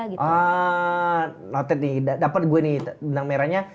note nih dapat gue nih benang merahnya